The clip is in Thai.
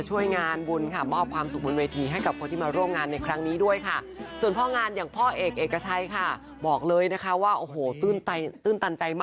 โดยเฉพาะวิธีกล่อมนากนี่พระนิโนนะครับคุณผู้ชม